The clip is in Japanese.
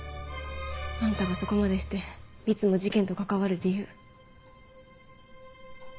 あんたがそこまでしていつも事件と関わる理由。